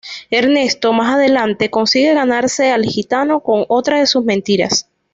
Ernesto, más adelante, consigue ganarse al Gitano con otra de sus mentiras.